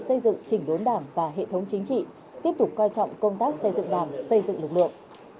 xây dựng chỉnh đốn đảng và hệ thống chính trị tiếp tục coi trọng công tác xây dựng đảng xây dựng lực lượng